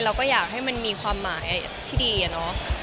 เราก็อยากให้มันมีความหมายที่ดีอะเนาะ